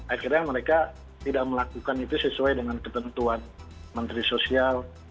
akhirnya mereka tidak melakukan itu sesuai dengan ketentuan menteri sosial